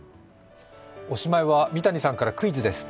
おしまいは、三谷さんからクイズです。